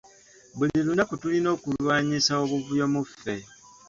Buli lunaku tulina okulwanyisa obuvuyo mu ffe.